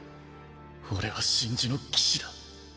俺は真珠の騎士だ。